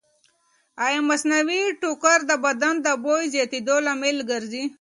ایا مصنوعي ټوکر د بدن د بوی زیاتېدو لامل ګرځي؟